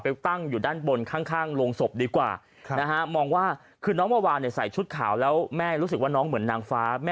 ไปตั้งอยู่ด้านบนข้างลงศพดีกว่านะฮะมองว่าคือน้อง